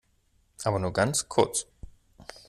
Aber nur ganz kurz!